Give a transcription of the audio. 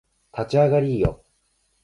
立ち上がりーよ